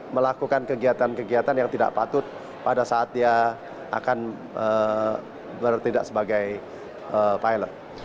melakukan kegiatan kegiatan yang tidak patut pada saat dia akan bertindak sebagai pilot